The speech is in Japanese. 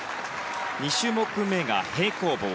２種目めが平行棒。